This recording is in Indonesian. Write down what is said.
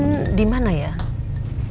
kau jauh kalau teman suaminya omar